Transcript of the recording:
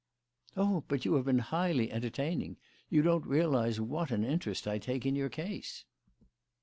"Oh, but you have been highly entertaining. You don't realise what an interest I take in your case."